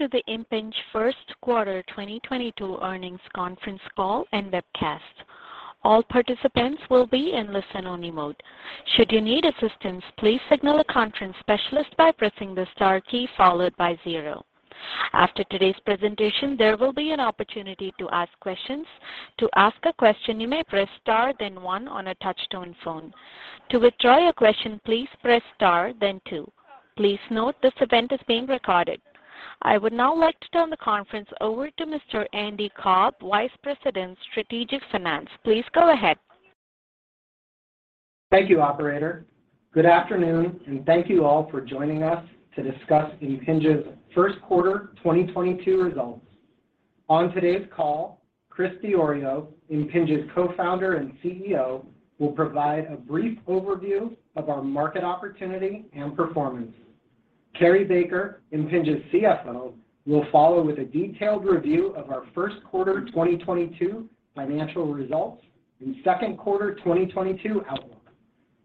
Welcome to the Impinj first quarter 2022 earnings conference call and webcast. All participants will be in listen only mode. Should you need assistance, please signal a conference specialist by pressing the star key followed by zero. After today's presentation, there will be an opportunity to ask questions. To ask a question, you may press star then one on a touch-tone phone. To withdraw your question, please press star then two. Please note this event is being recorded. I would now like to turn the conference over to Mr. Andy Cobb, Vice President, Strategic Finance. Please go ahead. Thank you, operator. Good afternoon, and thank you all for joining us to discuss Impinj's first quarter 2022 results. On today's call, Chris Diorio, Impinj's Co-Founder and CEO, will provide a brief overview of our market opportunity and performance. Cary Baker, Impinj's CFO, will follow with a detailed review of our first quarter 2022 financial results and second quarter 2022 outlook.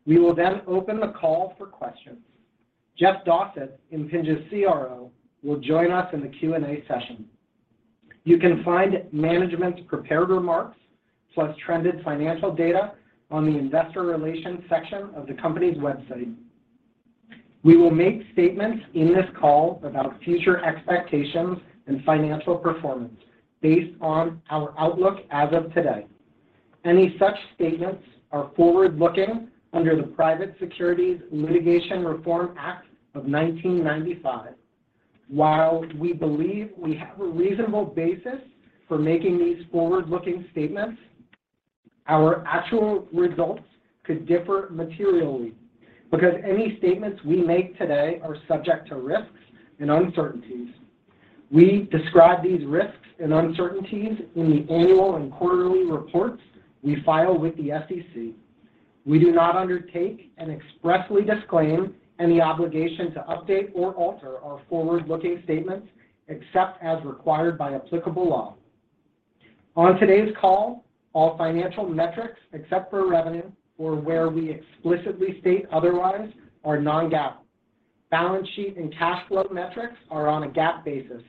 We will then open the call for questions. Jeff Dossett, Impinj's CRO, will join us in the Q&A session. You can find management's prepared remarks plus trended financial data on the Investor Relations section of the company's website. We will make statements in this call about future expectations and financial performance based on our outlook as of today. Any such statements are forward-looking under the Private Securities Litigation Reform Act of 1995. While we believe we have a reasonable basis for making these forward-looking statements, our actual results could differ materially, because any statements we make today are subject to risks and uncertainties. We describe these risks and uncertainties in the annual and quarterly reports we file with the SEC. We do not undertake and expressly disclaim any obligation to update or alter our forward-looking statements except as required by applicable law. On today's call, all financial metrics, except for revenue or where we explicitly state otherwise, are non-GAAP. Balance sheet and cash flow metrics are on a GAAP basis.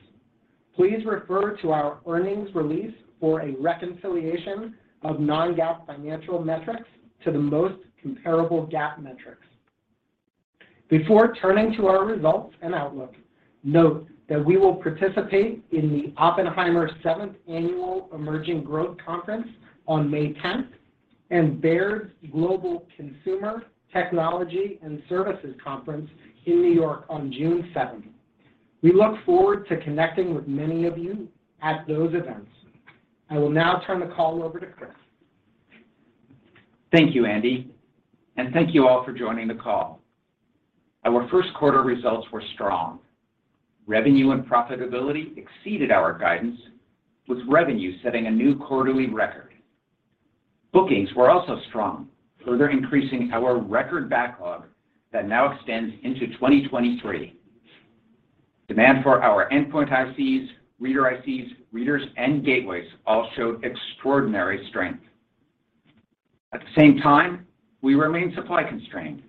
Please refer to our earnings release for a reconciliation of non-GAAP financial metrics to the most comparable GAAP metrics. Before turning to our results and outlook, note that we will participate in the Oppenheimer 7th Annual Emerging Growth Conference on May 10th and Baird's Global Consumer, Technology & Services Conference in New York on June 7th. We look forward to connecting with many of you at those events. I will now turn the call over to Chris. Thank you, Andy, and thank you all for joining the call. Our first quarter results were strong. Revenue and profitability exceeded our guidance, with revenue setting a new quarterly record. Bookings were also strong, further increasing our record backlog that now extends into 2023. Demand for our endpoint ICs, reader ICs, readers, and gateways all showed extraordinary strength. At the same time, we remain supply constrained,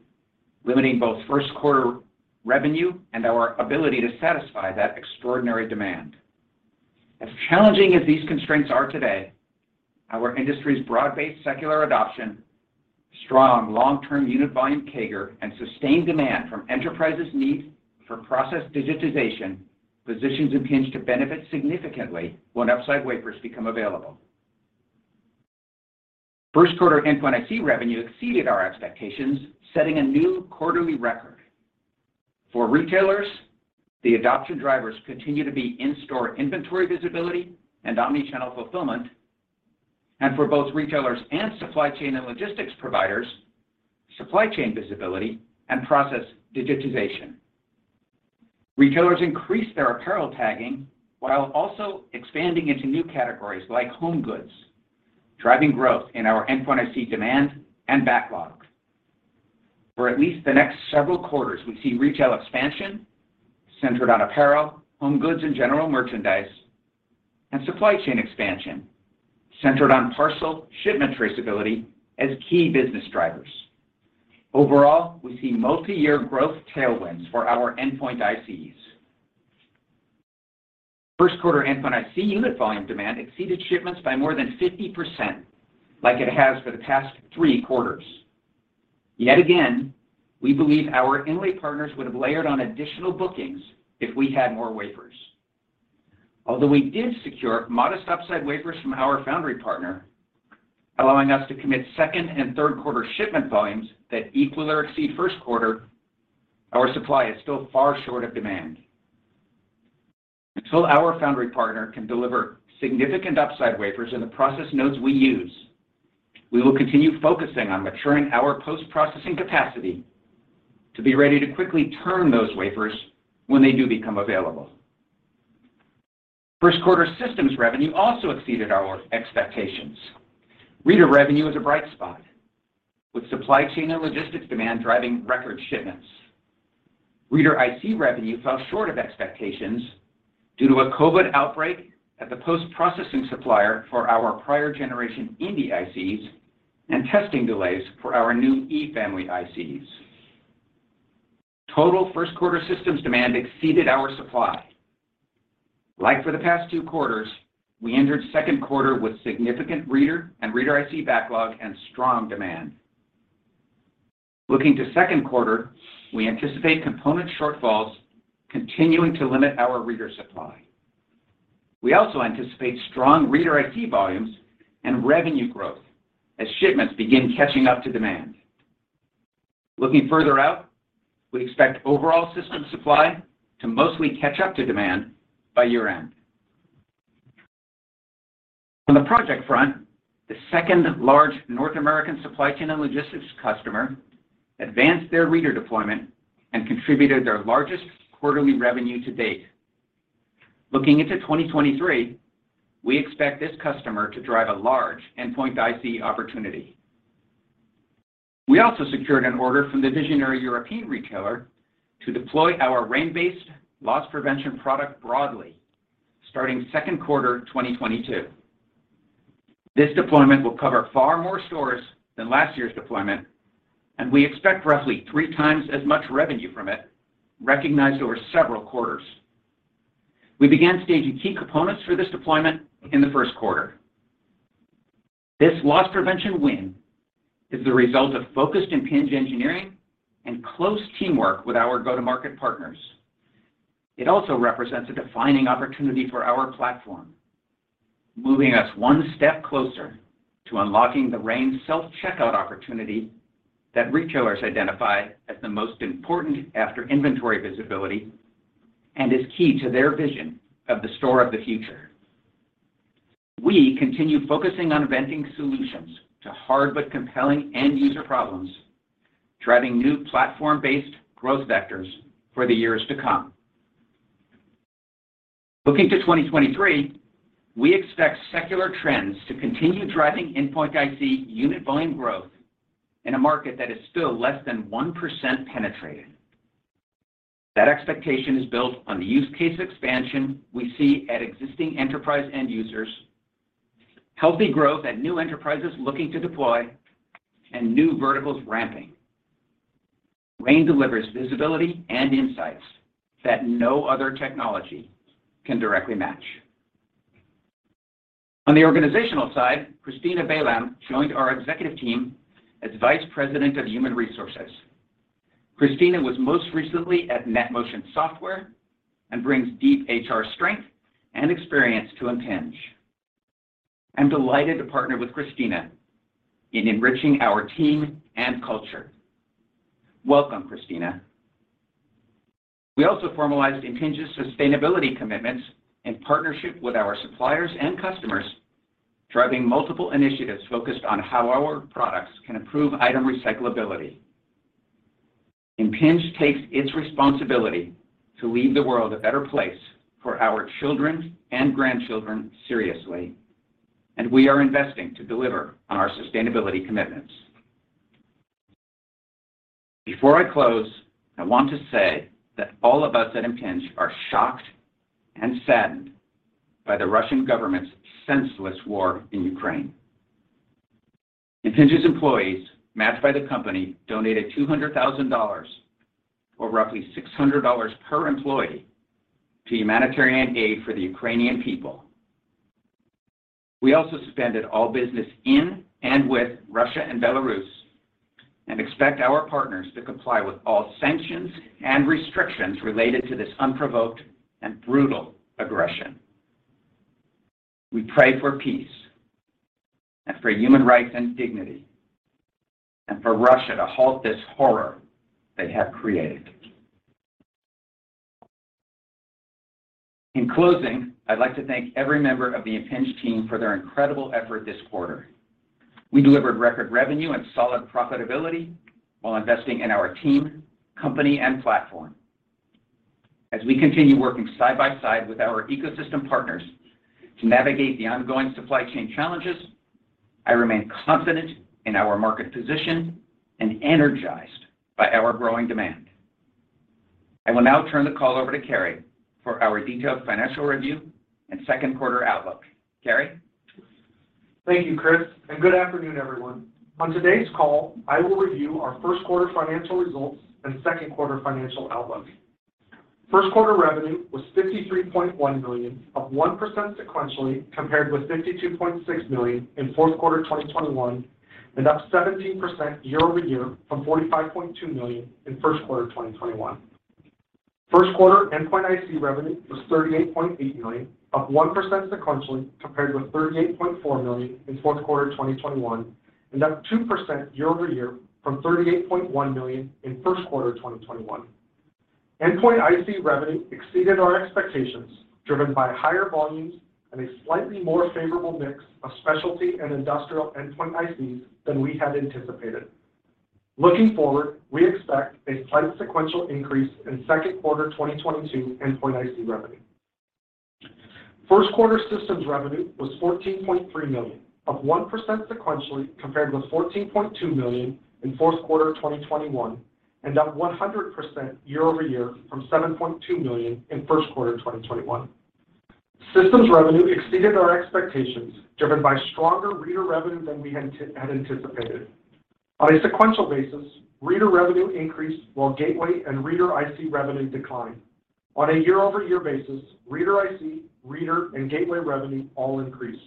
limiting both first quarter revenue and our ability to satisfy that extraordinary demand. As challenging as these constraints are today, our industry's broad-based secular adoption, strong long-term unit volume CAGR, and sustained demand from enterprises' need for process digitization positions Impinj to benefit significantly when upside wafers become available. First quarter endpoint IC revenue exceeded our expectations, setting a new quarterly record. For retailers, the adoption drivers continue to be in-store inventory visibility and omni-channel fulfillment, and for both retailers and supply chain and logistics providers, supply chain visibility and process digitization. Retailers increased their apparel tagging while also expanding into new categories like home goods, driving growth in our endpoint IC demand and backlog. For at least the next several quarters, we see retail expansion centered on apparel, home goods, and general merchandise, and supply chain expansion centered on parcel shipment traceability as key business drivers. Overall, we see multiyear growth tailwinds for our endpoint ICs. First quarter endpoint IC unit volume demand exceeded shipments by more than 50%, like it has for the past three quarters. Yet again, we believe our inlay partners would have layered on additional bookings if we had more wafers. Although we did secure modest upside wafers from our foundry partner, allowing us to commit second and third quarter shipment volumes that equal or exceed first quarter, our supply is still far short of demand. Until our foundry partner can deliver significant upside wafers in the process nodes we use, we will continue focusing on maturing our post-processing capacity to be ready to quickly turn those wafers when they do become available. First quarter systems revenue also exceeded our expectations. Reader revenue is a bright spot, with supply chain and logistics demand driving record shipments. Reader IC revenue fell short of expectations due to a COVID outbreak at the post-processing supplier for our prior generation Indy ICs and testing delays for our new E Family ICs. Total first quarter systems demand exceeded our supply. Like for the past two quarters, we entered second quarter with significant reader and reader IC backlog and strong demand. Looking to second quarter, we anticipate component shortfalls continuing to limit our reader supply. We also anticipate strong reader IC volumes and revenue growth as shipments begin catching up to demand. Looking further out, we expect overall system supply to mostly catch up to demand by year-end. On the project front, the second large North American supply chain and logistics customer advanced their reader deployment and contributed their largest quarterly revenue to date. Looking into 2023, we expect this customer to drive a large endpoint IC opportunity. We also secured an order from the visionary European retailer to deploy our RAIN-based loss prevention product broadly starting second quarter 2022. This deployment will cover far more stores than last year's deployment, and we expect roughly 3x as much revenue from it, recognized over several quarters. We began staging key components for this deployment in the first quarter. This loss prevention win is the result of focused Impinj engineering and close teamwork with our go-to-market partners. It also represents a defining opportunity for our platform, moving us one step closer to unlocking the RAIN self-checkout opportunity that retailers identify as the most important after inventory visibility and is key to their vision of the store of the future. We continue focusing on inventing solutions to hard but compelling end user problems, driving new platform-based growth vectors for the years to come. Looking to 2023, we expect secular trends to continue driving endpoint IC unit volume growth in a market that is still less than 1% penetrated. That expectation is built on the use case expansion we see at existing enterprise end users, healthy growth at new enterprises looking to deploy, and new verticals ramping. RAIN delivers visibility and insights that no other technology can directly match. On the organizational side, Christina Balam joined our executive team as Vice President of Human Resources. Christina was most recently at NetMotion Software and brings deep HR strength and experience to Impinj. I'm delighted to partner with Christina in enriching our team and culture. Welcome, Christina. We also formalized Impinj's sustainability commitments in partnership with our suppliers and customers, driving multiple initiatives focused on how our products can improve item recyclability. Impinj takes its responsibility to leave the world a better place for our children and grandchildren seriously, and we are investing to deliver on our sustainability commitments. Before I close, I want to say that all of us at Impinj are shocked and saddened by the Russian government's senseless war in Ukraine. Impinj's employees, matched by the company, donated $200,000, or roughly $600 per employee, to humanitarian aid for the Ukrainian people. We also suspended all business in and with Russia and Belarus, and expect our partners to comply with all sanctions and restrictions related to this unprovoked and brutal aggression. We pray for peace, and for human rights and dignity, and for Russia to halt this horror they have created. In closing, I'd like to thank every member of the Impinj team for their incredible effort this quarter. We delivered record revenue and solid profitability while investing in our team, company, and platform. As we continue working side by side with our ecosystem partners to navigate the ongoing supply chain challenges, I remain confident in our market position and energized by our growing demand. I will now turn the call over to Cary for our detailed financial review and second quarter outlook. Cary? Thank you, Chris, and good afternoon, everyone. On today's call, I will review our first quarter financial results and second quarter financial outlook. First quarter revenue was $53.1 million, up 1% sequentially compared with $52.6 million in fourth quarter 2021, and up 17% year-over-year from $45.2 million in first quarter 2021. First quarter endpoint IC revenue was $38.8 million, up 1% sequentially compared with $38.4 million in fourth quarter 2021, and up 2% year-over-year from $38.1 million in first quarter 2021. Endpoint IC revenue exceeded our expectations, driven by higher volumes and a slightly more favorable mix of specialty and industrial endpoint ICs than we had anticipated. Looking forward, we expect a slight sequential increase in second quarter 2022 endpoint IC revenue. First quarter systems revenue was $14.3 million, up 1% sequentially compared with $14.2 million in fourth quarter 2021, and up 100% year-over-year from $7.2 million in first quarter 2021. Systems revenue exceeded our expectations, driven by stronger reader revenue than we had anticipated. On a sequential basis, reader revenue increased while gateway and reader IC revenue declined. On a year-over-year basis, reader IC, reader, and gateway revenue all increased.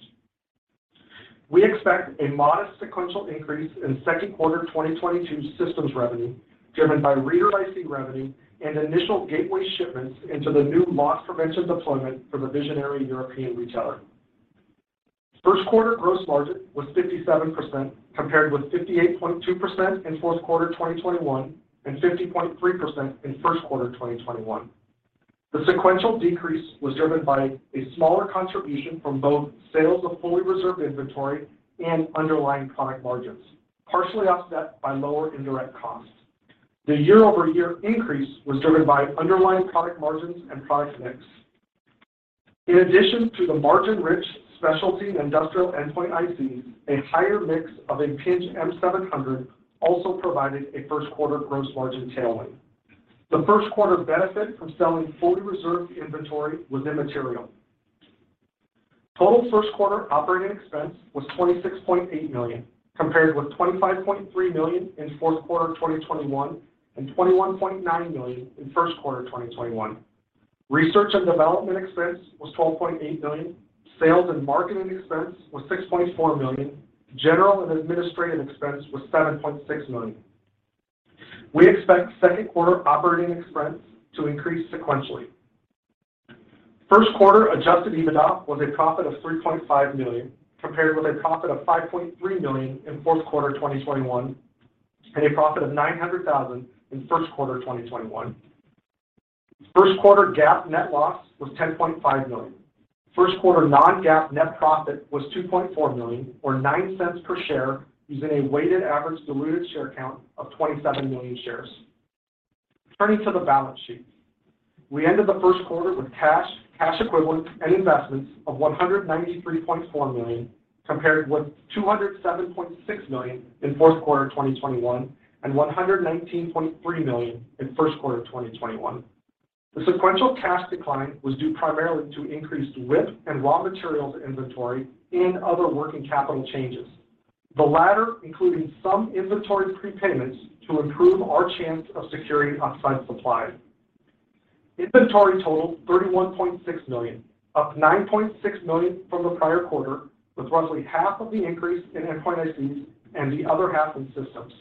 We expect a modest sequential increase in second quarter 2022 systems revenue, driven by reader IC revenue and initial gateway shipments into the new loss prevention deployment for the visionary European retailer. First quarter gross margin was 57%, compared with 58.2% in fourth quarter 2021, and 50.3% in first quarter 2021. The sequential decrease was driven by a smaller contribution from both sales of fully reserved inventory and underlying product margins, partially offset by lower indirect costs. The year-over-year increase was driven by underlying product margins and product mix. In addition to the margin-rich specialty and industrial endpoint ICs, a higher mix of Impinj M700 also provided a first quarter gross margin tailwind. The first quarter benefit from selling fully reserved inventory was immaterial. Total first quarter operating expense was $26.8 million, compared with $25.3 million in fourth quarter 2021, and $21.9 million in first quarter 2021. Research and development expense was $12.8 million. Sales and marketing expense was $6.4 million. General and administrative expense was $7.6 million. We expect second quarter operating expense to increase sequentially. First quarter adjusted EBITDA was a profit of $3.5 million, compared with a profit of $5.3 million in fourth quarter 2021, and a profit of $900,000 in first quarter 2021. First quarter GAAP net loss was $10.5 million. First quarter non-GAAP net profit was $2.4 million or $0.09 per share using a weighted average diluted share count of 27 million shares. Turning to the balance sheet. We ended the first quarter with cash equivalents, and investments of $193.4 million, compared with $207.6 million in fourth quarter 2021, and $119.3 million in first quarter 2021. The sequential cash decline was due primarily to increased WIP and raw materials inventory and other working capital changes. The latter including some inventory prepayments to improve our chance of securing off-site supply. Inventory totaled $31.6 million, up $9.6 million from the prior quarter, with roughly half of the increase in endpoint ICs and the other half in systems.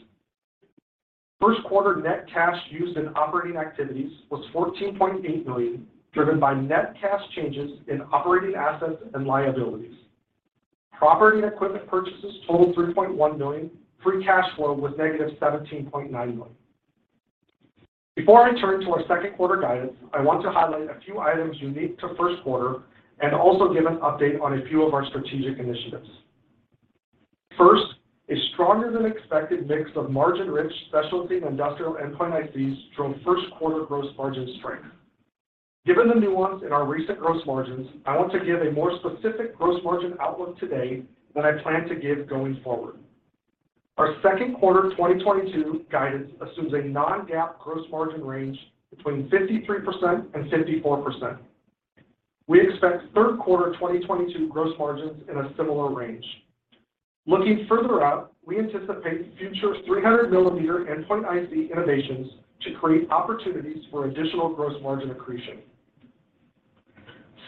First quarter net cash used in operating activities was $14.8 million, driven by net cash changes in operating assets and liabilities. Property and equipment purchases totaled $3.1 million. Free cash flow was -$17.9 million. Before I turn to our second quarter guidance, I want to highlight a few items unique to first quarter and also give an update on a few of our strategic initiatives. First, a stronger than expected mix of margin-rich specialty and industrial endpoint ICs drove first quarter gross margin strength. Given the nuance in our recent gross margins, I want to give a more specific gross margin outlook today than I plan to give going forward. Our second quarter 2022 guidance assumes a non-GAAP gross margin range between 53% and 54%. We expect third quarter 2022 gross margins in a similar range. Looking further out, we anticipate future 300 mm endpoint IC innovations to create opportunities for additional gross margin accretion.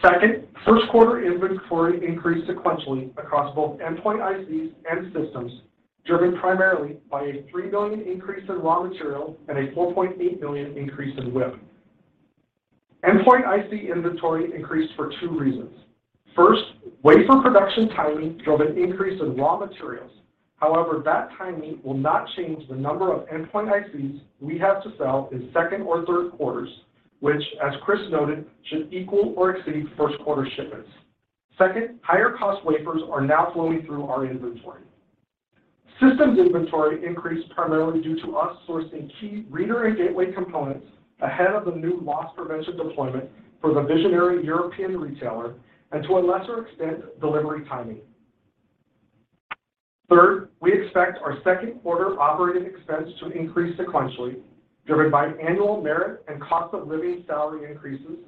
Second, first quarter inventory increased sequentially across both endpoint ICs and systems, driven primarily by a $3 million increase in raw material and a $4.8 million increase in WIP. Endpoint IC inventory increased for two reasons. First, wafer production timing drove an increase in raw materials. However, that timing will not change the number of endpoint ICs we have to sell in second or third quarters, which as Chris noted, should equal or exceed first quarter shipments. Second, higher cost wafers are now flowing through our inventory. Systems inventory increased primarily due to us sourcing key reader and gateway components ahead of the new loss prevention deployment for the visionary European retailer, and to a lesser extent, delivery timing. Third, we expect our second quarter operating expense to increase sequentially, driven by annual merit and cost of living salary increases,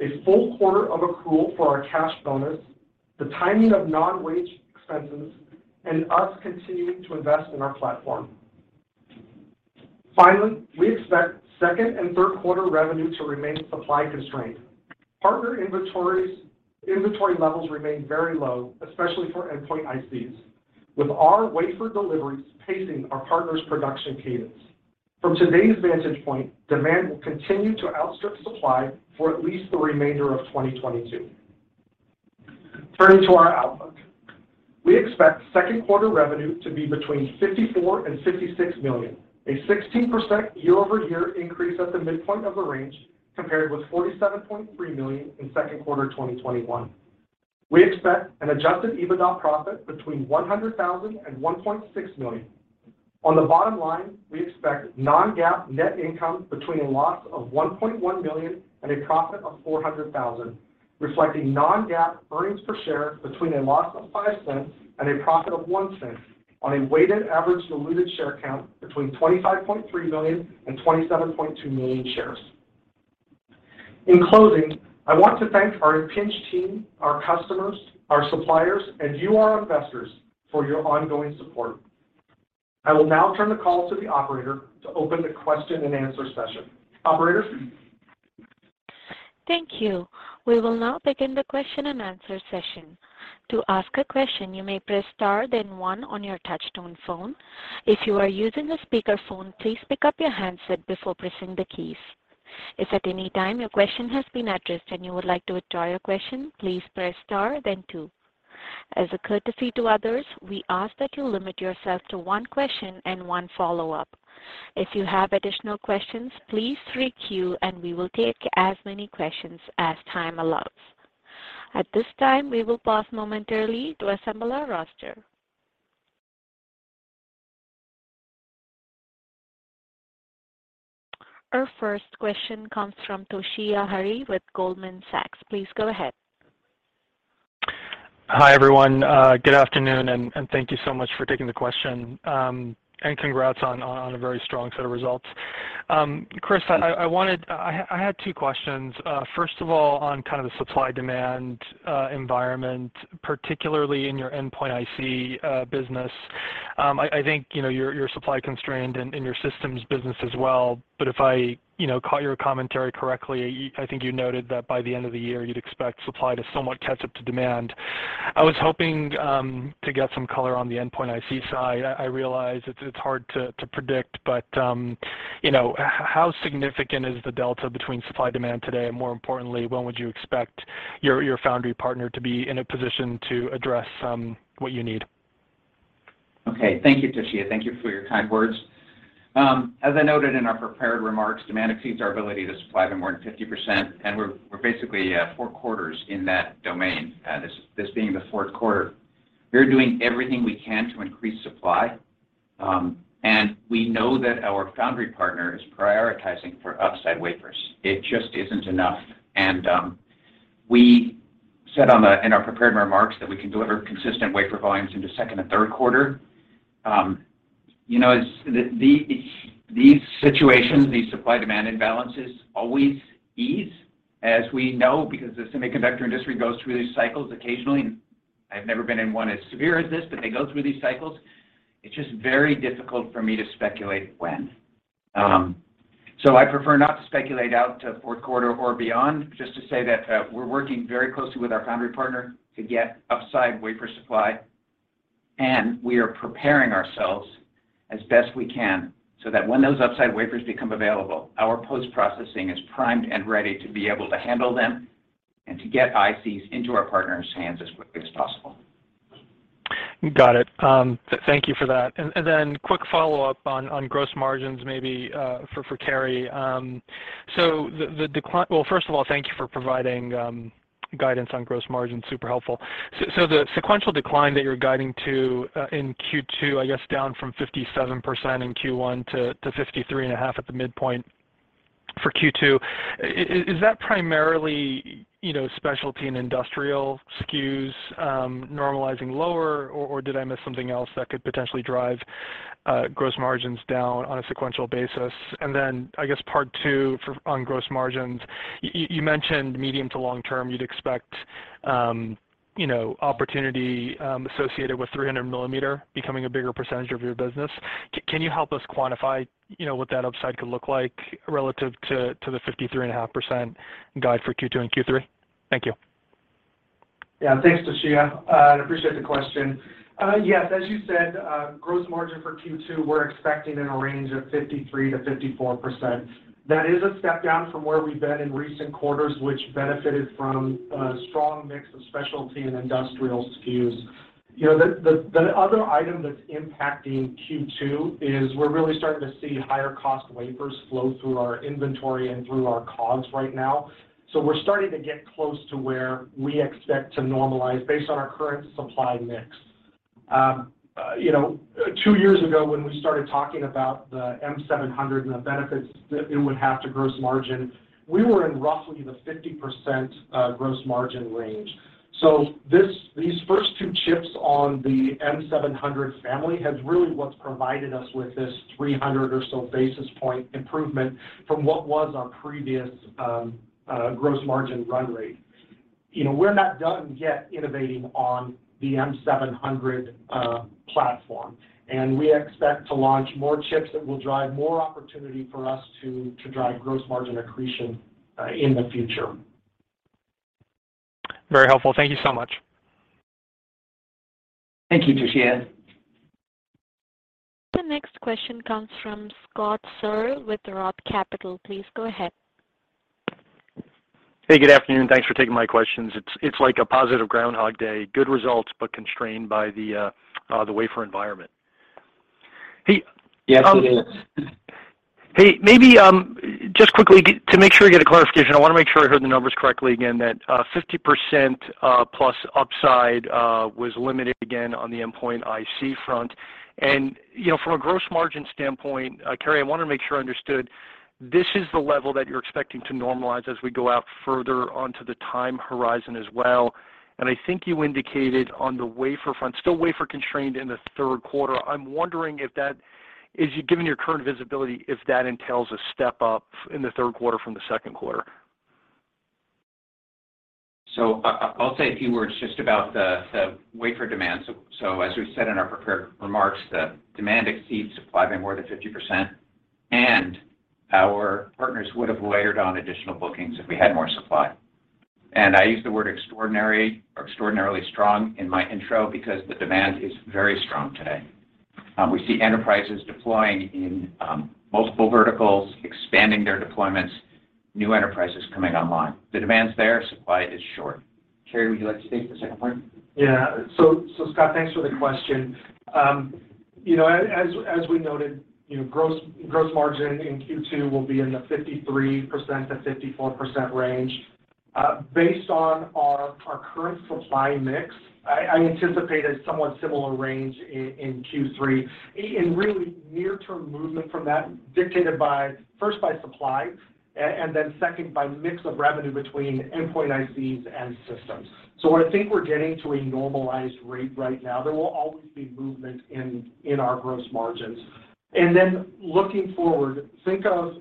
a full quarter of accrual for our cash bonus, the timing of non-wage expenses, and us continuing to invest in our platform. Finally, we expect second and third quarter revenue to remain supply constrained. Partner inventory levels remain very low, especially for endpoint ICs, with our wafer deliveries pacing our partners' production cadence. From today's vantage point, demand will continue to outstrip supply for at least the remainder of 2022. Turning to our outlook. We expect second quarter revenue to be between $54 million and $56 million, a 16% year-over-year increase at the midpoint of the range, compared with $47.3 million in second quarter 2021. We expect an adjusted EBITDA profit between $100,000 and $1.6 million. On the bottom line, we expect non-GAAP net income between a loss of $1.1 million and a profit of $400,000, reflecting non-GAAP earnings per share between a loss of $0.05 and a profit of $0.01 on a weighted average diluted share count between 25.3 million and 27.2 million shares. In closing, I want to thank our Impinj team, our customers, our suppliers, and you, our investors, for your ongoing support. I will now turn the call to the operator to open the question-and-answer session. Operator? Thank you. We will now begin the question-and-answer session. To ask a question, you may press star, then one on your touchtone phone. If you are using a speakerphone, please pick up your handset before pressing the keys. If at any time your question has been addressed and you would like to withdraw your question, please press star then two. As a courtesy to others, we ask that you limit yourself to one question and one follow-up. If you have additional questions, please requeue and we will take as many questions as time allows. At this time, we will pause momentarily to assemble our roster. Our first question comes from Toshiya Hari with Goldman Sachs. Please go ahead. Hi, everyone. Good afternoon, and thank you so much for taking the question, and congrats on a very strong set of results. Chris, I had two questions. First of all, on kind of the supply-demand environment, particularly in your endpoint IC business, I think, you know, you're supply constrained in your systems business as well. If I, you know, caught your commentary correctly, I think you noted that by the end of the year, you'd expect supply to somewhat catch up to demand. I was hoping to get some color on the endpoint IC side. I realize it's hard to predict, but you know, how significant is the delta between supply and demand today, and more importantly, when would you expect your foundry partner to be in a position to address what you need? Okay. Thank you, Toshiya. Thank you for your kind words. As I noted in our prepared remarks, demand exceeds our ability to supply by more than 50%, and we're basically four quarters in that domain, this being the fourth quarter. We're doing everything we can to increase supply, and we know that our foundry partner is prioritizing for upside wafers. It just isn't enough. We said in our prepared remarks that we can deliver consistent wafer volumes into second and third quarter. You know, as these situations, these supply-demand imbalances always ease, as we know, because the semiconductor industry goes through these cycles occasionally. I've never been in one as severe as this, but they go through these cycles. It's just very difficult for me to speculate when. I prefer not to speculate out to fourth quarter or beyond, just to say that we're working very closely with our foundry partner to get upside wafer supply, and we are preparing ourselves as best we can, so that when those upside wafers become available, our post-processing is primed and ready to be able to handle them and to get ICs into our partners' hands as quickly as possible. Thank you for that. Then quick follow-up on gross margins, maybe for Cary. Thank you for providing guidance on gross margins. Super helpful. The sequential decline that you're guiding to in Q2, I guess, down from 57% in Q1 to 53.5% at the midpoint for Q2, is that primarily specialty and industrial SKUs normalizing lower, or did I miss something else that could potentially drive gross margins down on a sequential basis? I guess part two on gross margins, you mentioned medium to long term, you'd expect opportunity associated with 300 mm becoming a bigger percentage of your business. Can you help us quantify, you know, what that upside could look like relative to the 53.5% guide for Q2 and Q3? Thank you. Yeah. Thanks, Toshiya. I appreciate the question. Yes, as you said, gross margin for Q2, we're expecting in a range of 53%-54%. That is a step down from where we've been in recent quarters, which benefited from a strong mix of specialty and industrial SKUs. You know, the other item that's impacting Q2 is we're really starting to see higher cost wafers flow through our inventory and through our COGS right now. So we're starting to get close to where we expect to normalize based on our current supply mix. You know, two years ago, when we started talking about the M700 and the benefits that it would have to gross margin, we were in roughly the 50% gross margin range. These first two chips on the M700 family has really what's provided us with this 300 or so basis point improvement from what was our previous gross margin run rate. You know, we're not done yet innovating on the M700 platform, and we expect to launch more chips that will drive more opportunity for us to drive gross margin accretion in the future. Very helpful. Thank you so much. Thank you, Toshiya. The next question comes from Scott Searle with ROTH Capital. Please go ahead. Hey, good afternoon. Thanks for taking my questions. It's like a positive Groundhog Day, good results, but constrained by the wafer environment. Yes, it is. Hey, maybe, just quickly to make sure I get a clarification, I wanna make sure I heard the numbers correctly again, that 50%+ upside was limited again on the endpoint IC front. You know, from a gross margin standpoint, Cary, I wanted to make sure I understood, this is the level that you're expecting to normalize as we go out further onto the time horizon as well. I think you indicated on the wafer front, still wafer constrained in the third quarter. I'm wondering if that is, given your current visibility, if that entails a step up in the third quarter from the second quarter. I'll say a few words just about the wafer demand. As we said in our prepared remarks, the demand exceeds supply by more than 50%, and our partners would have layered on additional bookings if we had more supply. I use the word extraordinary or extraordinarily strong in my intro because the demand is very strong today. We see enterprises deploying in multiple verticals, expanding their deployments, new enterprises coming online. The demand's there, supply is short. Cary, would you like to take the second part? Yeah. Scott, thanks for the question. You know, as we noted, you know, gross margin in Q2 will be in the 53%-54% range. Based on our current supply mix, I anticipate a somewhat similar range in Q3 and really near-term movement from that dictated by, first by supply and then second by mix of revenue between endpoint ICs and systems. I think we're getting to a normalized rate right now. There will always be movement in our gross margins. Looking forward, think of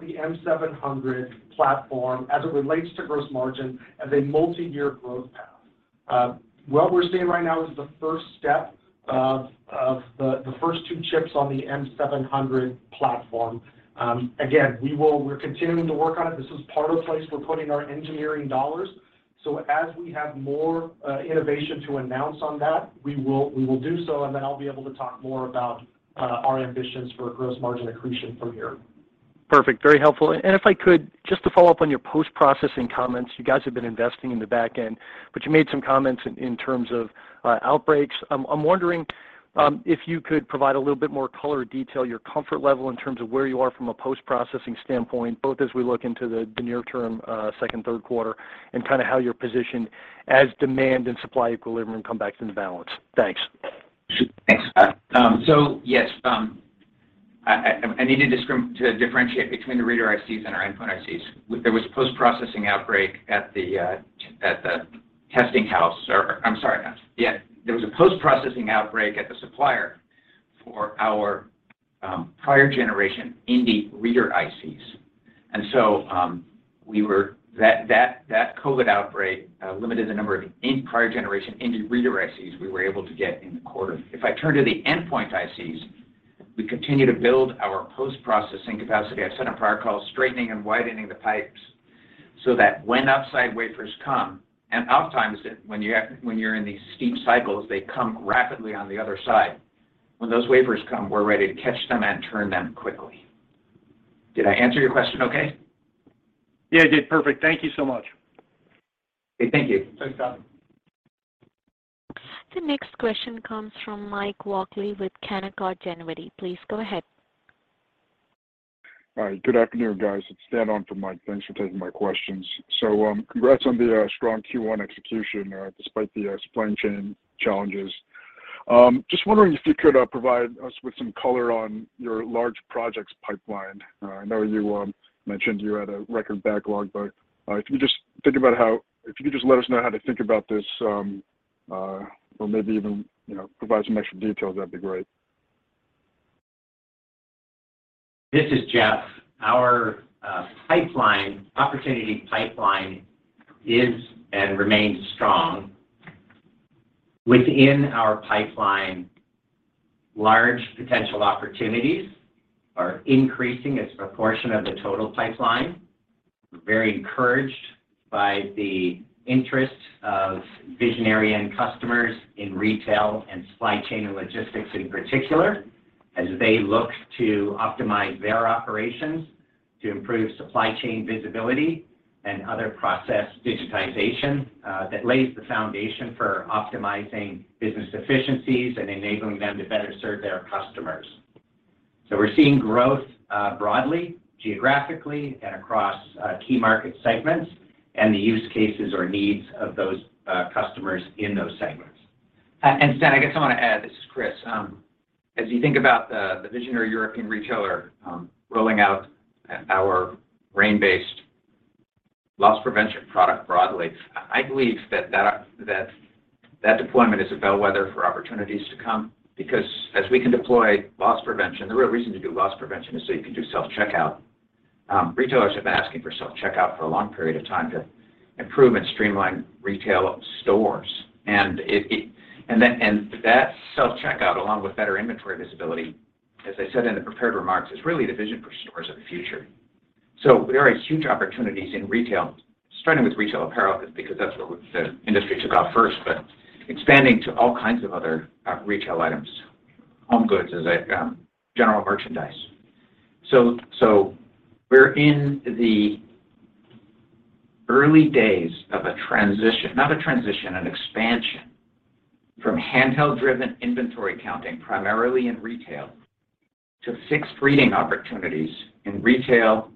the M700 platform as it relates to gross margin as a multiyear growth path. What we're seeing right now is the first step of the first two chips on the M700 platform. We're continuing to work on it. This is part of the place we're putting our engineering dollars. As we have more innovation to announce on that, we will do so, and then I'll be able to talk more about our ambitions for gross margin accretion from here. Perfect. Very helpful. If I could, just to follow up on your post-processing comments, you guys have been investing in the back end, but you made some comments in terms of outbreaks. I'm wondering if you could provide a little bit more color or detail, your comfort level in terms of where you are from a post-processing standpoint, both as we look into the near term, second, third quarter, and kind of how you're positioned as demand and supply equilibrium come back into balance. Thanks. Sure. Thanks. Yes. I need to differentiate between the reader ICs and our endpoint ICs. There was a post-processing outbreak at the testing house. I'm sorry. There was a post-processing outbreak at the supplier for our prior-generation Indy reader ICs. That COVID outbreak limited the number of prior-generation Indy reader ICs we were able to get in the quarter. If I turn to the endpoint ICs, we continue to build our post-processing capacity. I said on a prior call, straightening and widening the pipes so that when upside wafers come, and oftentimes when you're in these steep cycles, they come rapidly on the other side. When those wafers come, we're ready to catch them and turn them quickly. Did I answer your question okay? Yeah, you did. Perfect. Thank you so much. Okay. Thank you. Thanks, Scott. The next question comes from Mike Walkley with Canaccord Genuity. Please go ahead. All right. Good afternoon, guys. It's Dan on for Mike. Thanks for taking my questions. Congrats on the strong Q1 execution despite the supply chain challenges. Just wondering if you could provide us with some color on your large projects pipeline. I know you mentioned you had a record backlog, but if you could just let us know how to think about this or maybe even, you know, provide some extra details, that'd be great. This is Jeff. Our pipeline, opportunity pipeline is and remains strong. Within our pipeline, large potential opportunities are increasing as a proportion of the total pipeline. We're very encouraged by the interest of visionary end customers in retail and supply chain and logistics in particular, as they look to optimize their operations to improve supply chain visibility and other process digitization that lays the foundation for optimizing business efficiencies and enabling them to better serve their customers. We're seeing growth broadly, geographically, and across key market segments and the use cases or needs of those customers in those segments. And Dan, I guess I want to add, this is Chris. As you think about the visionary European retailer rolling out our RAIN-based loss prevention product broadly, I believe that deployment is a bellwether for opportunities to come because as we can deploy loss prevention, the real reason to do loss prevention is so you can do self-checkout. Retailers have been asking for self-checkout for a long period of time to improve and streamline retail stores. That self-checkout, along with better inventory visibility, as I said in the prepared remarks, is really the vision for stores of the future. There are huge opportunities in retail, starting with retail apparel, just because that's where the industry took off first, but expanding to all kinds of other retail items, home goods as a general merchandise. We're in the early days of a transition. Not a transition, an expansion from handheld-driven inventory counting, primarily in retail, to fixed reading opportunities in retail,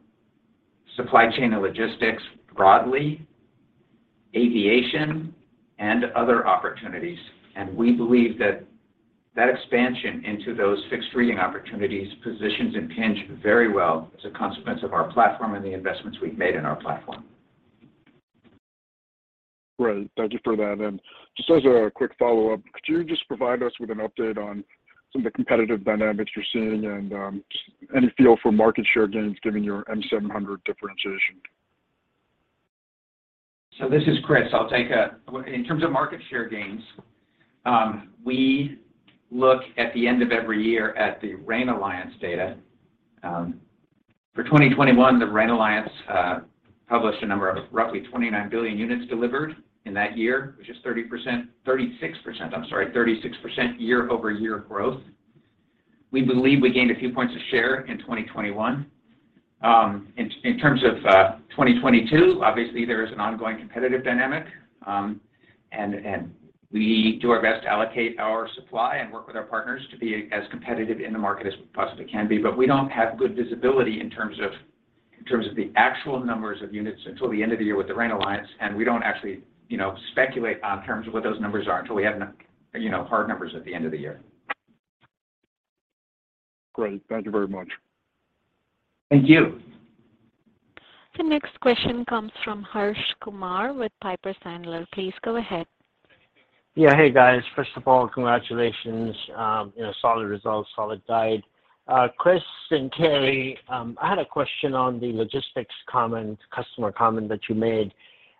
supply chain and logistics broadly, aviation, and other opportunities. We believe that that expansion into those fixed reading opportunities positions Impinj very well as a consequence of our platform and the investments we've made in our platform. Great. Thank you for that. Just as a quick follow-up, could you just provide us with an update on some of the competitive dynamics you're seeing? And any feel for market share gains given your M700 differentiation? This is Chris. I'll take that. In terms of market share gains, we look at the end of every year at the RAIN Alliance data. For 2021, the RAIN Alliance published a number of roughly 29 billion units delivered in that year, which is 36%, I'm sorry, 36% year-over-year growth. We believe we gained a few points of share in 2021. In terms of 2022, obviously there is an ongoing competitive dynamic. We do our best to allocate our supply and work with our partners to be as competitive in the market as we possibly can be. We don't have good visibility in terms of the actual numbers of units until the end of the year with the RAIN Alliance, and we don't actually, you know, speculate on terms of what those numbers are until we have you know, hard numbers at the end of the year. Great. Thank you very much. Thank you. The next question comes from Harsh Kumar with Piper Sandler. Please go ahead. Yeah. Hey, guys. First of all, congratulations. You know, solid results, solid guide. Chris and Cary, I had a question on the logistics comment, customer comment that you made.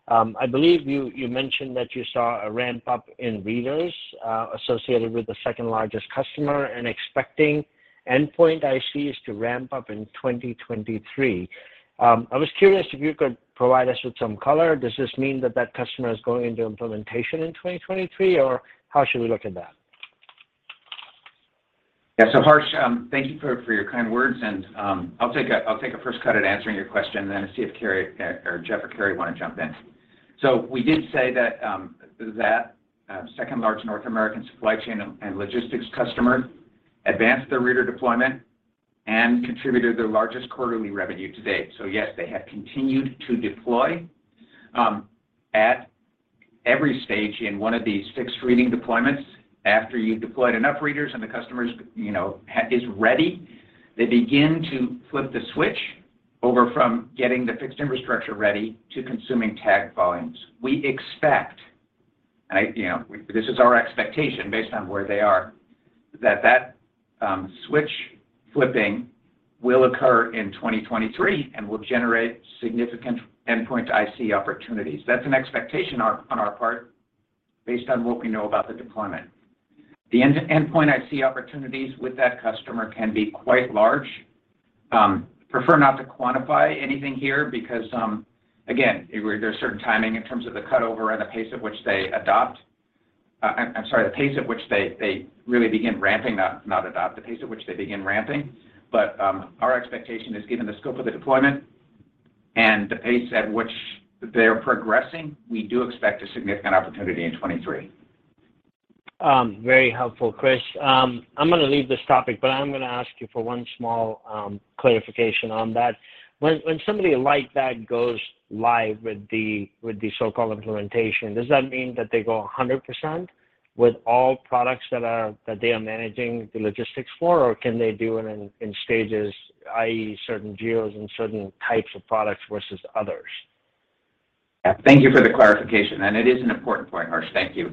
I believe you mentioned that you saw a ramp-up in readers associated with the second-largest customer, and expecting endpoint ICs to ramp up in 2023. I was curious if you could provide us with some color. Does this mean that that customer is going into implementation in 2023, or how should we look at that? Yeah. Harsh, thank you for your kind words and, I'll take a first cut at answering your question, then see if Cary, or Jeff or Cary wanna jump in. We did say that second-largest North American supply chain and logistics customer advanced their reader deployment and contributed their largest quarterly revenue to date. Yes, they have continued to deploy. At every stage in one of these fixed reading deployments, after you've deployed enough readers and the customer is you know ready, they begin to flip the switch over from getting the fixed infrastructure ready to consuming tag volumes. We expect you know this is our expectation based on where they are, that switch flipping will occur in 2023 and will generate significant endpoint IC opportunities. That's an expectation on our part based on what we know about the deployment. The endpoint IC opportunities with that customer can be quite large. Prefer not to quantify anything here because, again, there's certain timing in terms of the cutover and the pace at which they really begin ramping up. Our expectation is given the scope of the deployment and the pace at which they're progressing, we do expect a significant opportunity in 2023. Very helpful, Chris. I'm gonna leave this topic, but I'm gonna ask you for one small clarification on that. When somebody like that goes live with the so-called implementation, does that mean that they go 100% with all products that they are managing the logistics for, or can they do it in stages, i.e., certain geos and certain types of products versus others? Yeah. Thank you for the clarification, and it is an important point, Harsh. Thank you.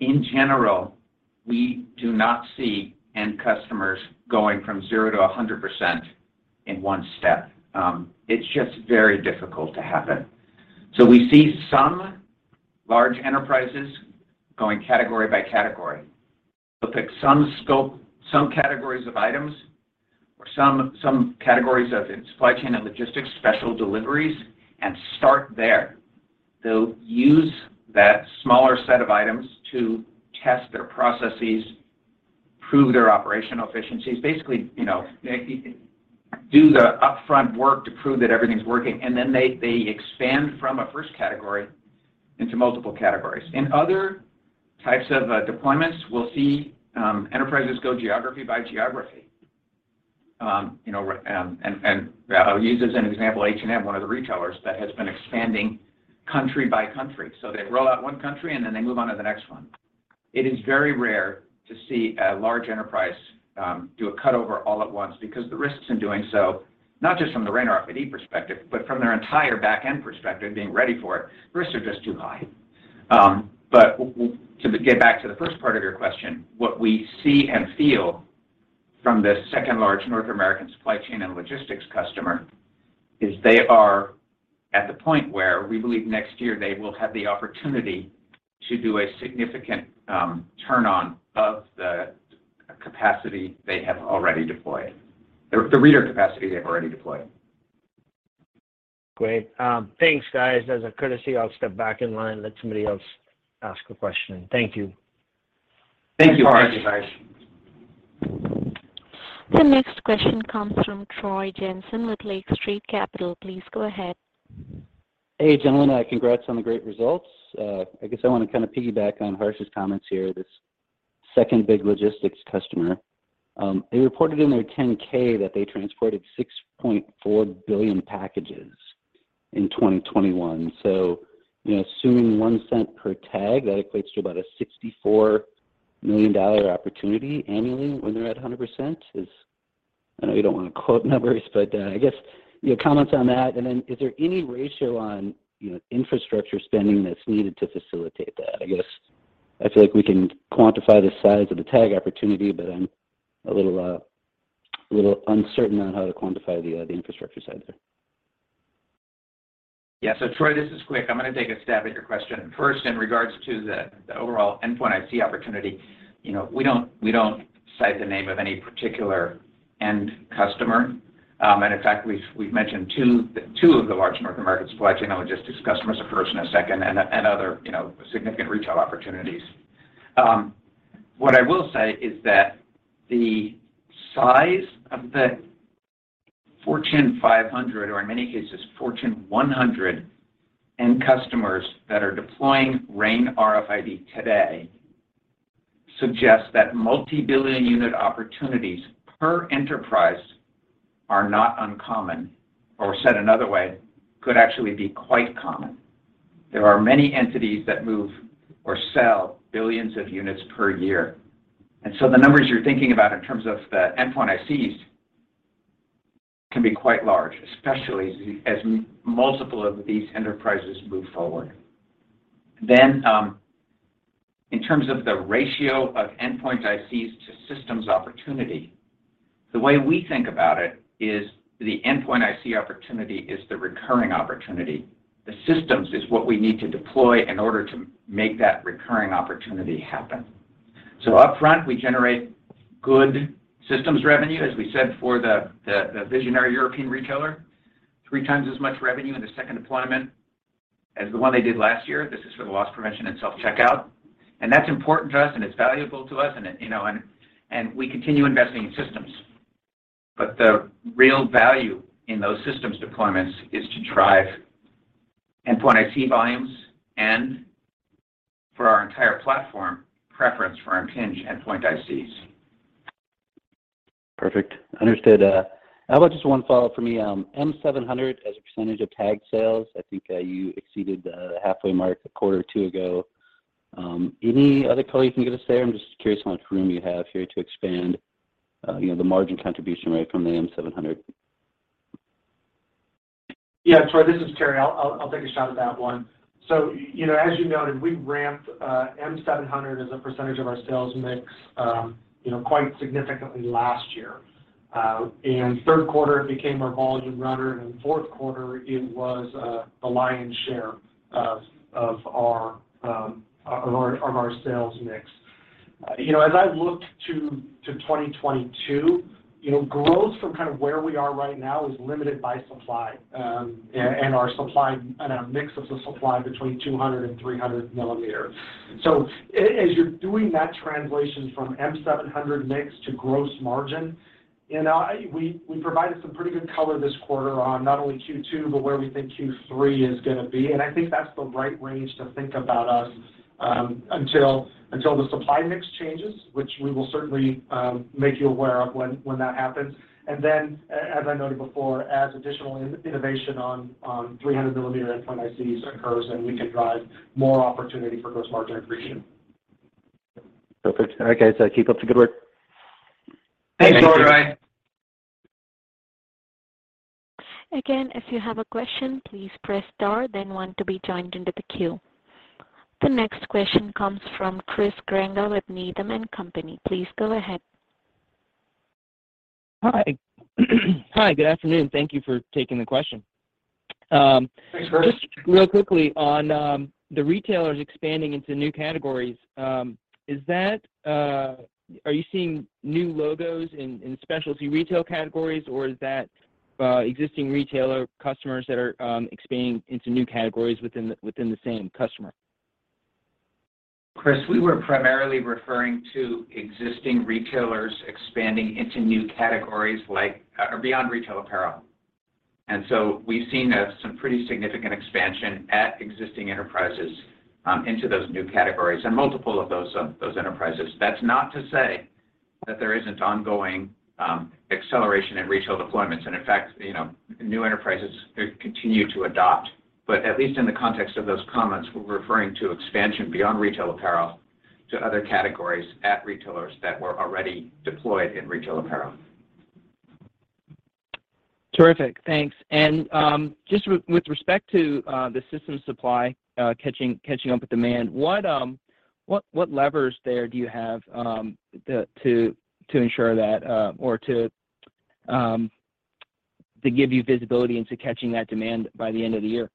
In general, we do not see end customers going from 0% to 100% in one step. It's just very difficult to happen. We see some large enterprises going category by category. They'll pick some scope, some categories of items or some categories of supply chain and logistics, special deliveries, and start there. They'll use that smaller set of items to test their processes, prove their operational efficiencies, basically, you know, do the upfront work to prove that everything's working, and then they expand from a first category into multiple categories. In other types of deployments, we'll see enterprises go geography by geography. You know, and I'll use as an example H&M, one of the retailers that has been expanding country by country. They roll out one country, and then they move on to the next one. It is very rare to see a large enterprise do a cut over all at once because the risks in doing so, not just from the RAIN RFID perspective, but from their entire back-end perspective, being ready for it, the risks are just too high. But to get back to the first part of your question, what we see and feel from this second-largest North American supply chain and logistics customer is they are at the point where we believe next year they will have the opportunity to do a significant turn-on of the capacity they have already deployed. The reader capacity they've already deployed. Great. Thanks, guys. As a courtesy, I'll step back in line and let somebody else ask a question. Thank you. Thank you, Harsh. The next question comes from Troy Jensen with Lake Street Capital. Please go ahead. Hey, gentlemen. Congrats on the great results. I guess I want to kind of piggyback on Harsh's comments here, this second big logistics customer. They reported in their 10-K that they transported 6.4 billion packages in 2021. You know, assuming $0.01 per tag, that equates to about a $64 million opportunity annually when they're at 100%. I know you don't wanna quote numbers, but I guess your comments on that and then is there any ratio on, you know, infrastructure spending that's needed to facilitate that? I guess I feel like we can quantify the size of the tag opportunity, but I'm a little uncertain on how to quantify the infrastructure side there. Yeah. Troy, this is Chris. I'm gonna take a stab at your question. First, in regards to the overall endpoint IC opportunity, you know, we don't cite the name of any particular end customer. In fact, we've mentioned two of the large North American supply chain logistics customers, a first and a second and other, you know, significant retail opportunities. What I will say is that the size of the Fortune 500 or in many cases Fortune 100 end customers that are deploying RAIN RFID today suggest that multi-billion unit opportunities per enterprise are not uncommon, or said another way, could actually be quite common. There are many entities that move or sell billions of units per year. The numbers you're thinking about in terms of the endpoint ICs can be quite large, especially as multiple of these enterprises move forward. In terms of the ratio of endpoint ICs to systems opportunity, the way we think about it is the endpoint IC opportunity is the recurring opportunity. The systems is what we need to deploy in order to make that recurring opportunity happen. Up front, we generate good systems revenue, as we said, for the visionary European retailer, 3x as much revenue in the second deployment as the one they did last year. This is for the loss prevention and self-checkout. That's important to us, and it's valuable to us, and it, you know, and we continue investing in systems. The real value in those systems deployments is to drive endpoint IC volumes and for our entire platform preference for Impinj endpoint ICs. Perfect. Understood. How about just one follow-up for me. M700 as a percentage of tag sales, I think, you exceeded the halfway mark a quarter or two ago. Any other color you can give us there? I'm just curious how much room you have here to expand, you know, the margin contribution rate from the M700. Yeah. Troy, this is Cary. I'll take a shot at that one. You know, as you noted, we ramped M700 as a percentage of our sales mix, you know, quite significantly last year. In third quarter it became our volume runner, and in fourth quarter it was the lion's share of our sales mix. You know, as I look to 2022, you know, growth from kind of where we are right now is limited by supply, and our supply and our mix of the supply between 200 mm and 300 mm. As you're doing that translation from M700 mix to gross margin, you know, we provided some pretty good color this quarter on not only Q2, but where we think Q3 is gonna be. I think that's the right range to think about us until the supply mix changes, which we will certainly make you aware of when that happens. Then as I noted before, as additional innovation on 300 mm endpoint ICs occurs, then we could drive more opportunity for gross margin accretion. Perfect. Okay. Keep up the good work. Thanks, Troy. Thanks, Troy. Again, if you have a question, please press star then one to be joined into the queue. The next question comes from Chris Grenga with Needham & Company. Please go ahead. Hi. Hi, good afternoon. Thank you for taking the question. Thanks, Chris. Just real quickly on the retailers expanding into new categories, are you seeing new logos in specialty retail categories, or is that existing retailer customers that are expanding into new categories within the same customer? Chris, we were primarily referring to existing retailers expanding into new categories like beyond retail apparel. We've seen some pretty significant expansion at existing enterprises into those new categories and multiple of those enterprises. That's not to say that there isn't ongoing acceleration in retail deployments, and in fact, you know, new enterprises continue to adopt. At least in the context of those comments, we're referring to expansion beyond retail apparel to other categories at retailers that were already deployed in retail apparel. Terrific. Thanks. Just with respect to the system supply catching up with demand, what levers do you have to ensure that or to give you visibility into catching that demand by the end of the year?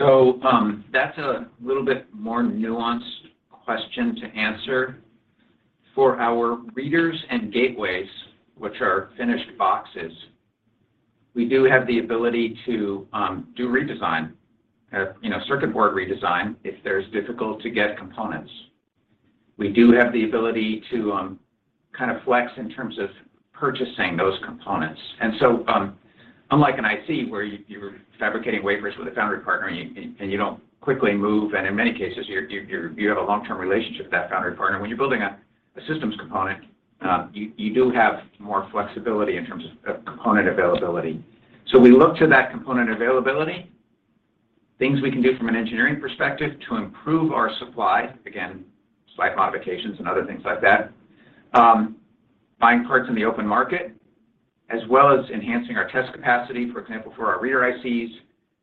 That's a little bit more nuanced question to answer. For our readers and gateways, which are finished boxes, we do have the ability to do redesign, you know, circuit board redesign if there's difficult-to-get components. We do have the ability to kind of flex in terms of purchasing those components. Unlike an IC where you're fabricating wafers with a foundry partner and you don't quickly move, and in many cases, you have a long-term relationship with that foundry partner. When you're building a systems component, you do have more flexibility in terms of component availability. We look to that component availability, things we can do from an engineering perspective to improve our supply, again, slight modifications and other things like that, buying parts in the open market, as well as enhancing our test capacity, for example, for our reader ICs,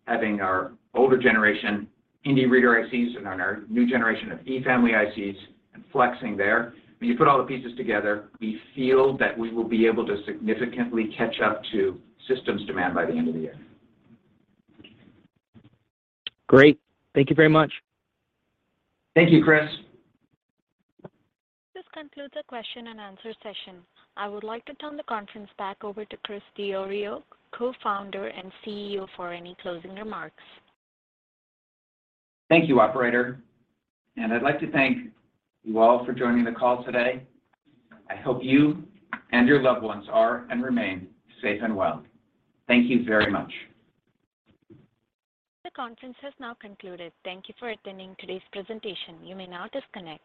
having our older generation Indy reader ICs and our new generation of E Family ICs and flexing there. When you put all the pieces together, we feel that we will be able to significantly catch up to systems demand by the end of the year. Great. Thank you very much. Thank you, Chris. This concludes the question-and-answer session. I would like to turn the conference back over to Chris Diorio, Co-Founder and CEO, for any closing remarks. Thank you, operator. I'd like to thank you all for joining the call today. I hope you and your loved ones are and remain safe and well. Thank you very much. The conference has now concluded. Thank you for attending today's presentation. You may now disconnect.